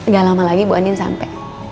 gak lama lagi bu andin sampai